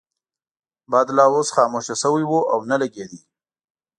باد لا اوس خاموشه شوی وو او نه لګیده.